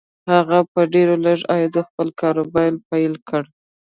هغه په ډېر لږ عايد خپل کاروبار پيل کړ.